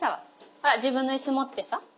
ほら自分の椅子持ってさ。